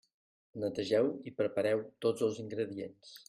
Netegeu i prepareu tots els ingredients.